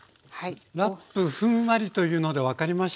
ラップふんわりというので分かりました。